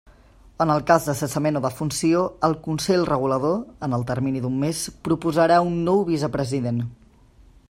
En el cas de cessament o defunció, el consell regulador, en el termini d'un mes, proposarà un nou vicepresident.